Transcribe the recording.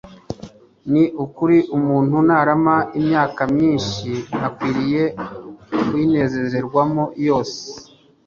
ni ukuri umuntu narama imyaka myinshi akwiriye kuyinezererwamo yose